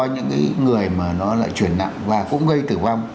những người mà nó lại chuyển nặng và cũng gây tử vong